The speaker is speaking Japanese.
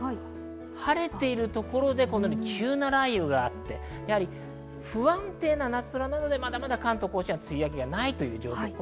晴れているところで急な雷雨があって、不安定な夏空なので、まだまだ関東・甲信は梅雨明けがないという状況です。